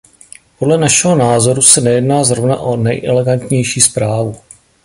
Podle našeho názoru se nejedná zrovna o nejelegantnější zprávu.